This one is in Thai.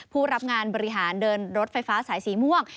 ผู้รับงานบริหารเดินรถไฟฟ้าสายสีม่วง